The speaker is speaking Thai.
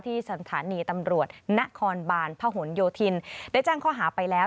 ที่สถานีตำรวจณคอนบานพหนโยธินได้จ้างข้อหาไปแล้ว